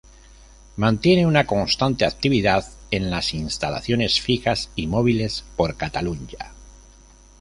Mantiene una constante actividad en las instalaciones fijas y móviles por Catalunya.